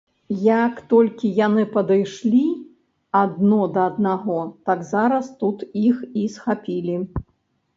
Як толькі яны падышлі адно да аднаго, так зараз тут іх і схапілі.